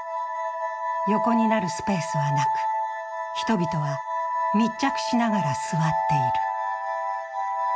横になるスペースはなく、人々は密着しながら座っている。